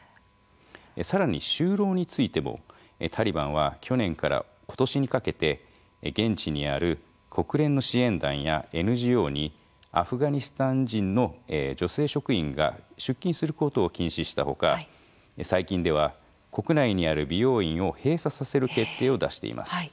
更に就労についてもタリバンは去年から今年にかけて現地にある国連の支援団やＮＧＯにアフガニスタン人の女性職員が出勤することを禁止したほか最近では国内にある美容院を閉鎖させる決定を出しています。